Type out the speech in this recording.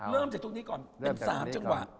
เริ่มจากตรงนี้ก่อนเป็น๓จังหวะ